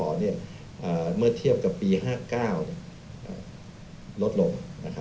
เมื่อเทียบกับปี๕๙ลดลง